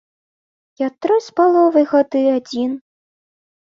Я тры з паловай гады адзін.